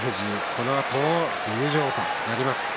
このあと入場となります。